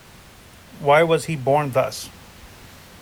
Why was he born thus?